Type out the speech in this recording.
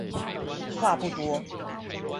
話不多